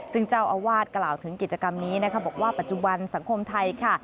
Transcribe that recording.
ซึ่งเจ้าอาวาสกล่าวถึงกิจกรรมนี้นะคะบอกว่าปัจจุบันสังคมไทยค่ะ